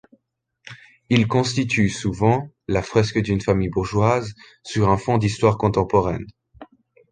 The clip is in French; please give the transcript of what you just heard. Ils constituent souvent la fresque d'une famille bourgeoise sur un fond d'histoire contemporaine.